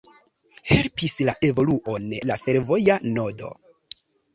Helpis la evoluon la fervoja nodo.